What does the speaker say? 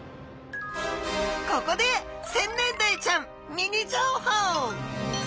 ここでセンネンダイちゃんミニ情報！